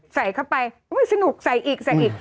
ใส่เข้าไปสนุกใส่อีกใส่อีก